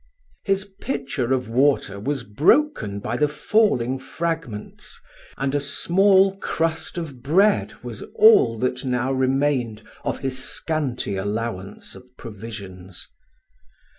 His pitcher of water was broken by the falling fragments, and a small crust of bread was all that now remained of his scanty allowance of provisions.